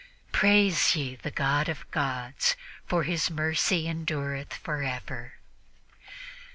"Praise ye the God of gods: for His mercy endureth forever."